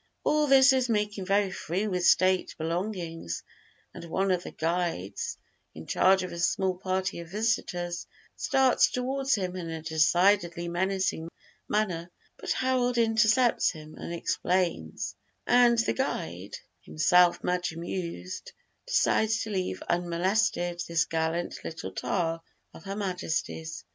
All this is making very free with State belongings, and one of the guides, in charge of a small party of visitors, starts toward him in a decidedly menacing manner; but Harold intercepts him and explains, and the guide, himself much amused, decides to leave unmolested this gallant little tar of Her Majesty's.